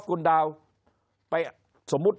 คนในวงการสื่อ๓๐องค์กร